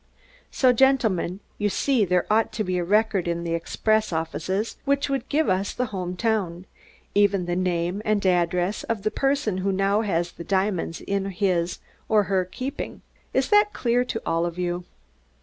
So, gentlemen, you see there ought to be a record in the express offices, which would give us the home town, even the name and address, of the person who now has the diamonds in his or her keeping. Is that clear to all of you?"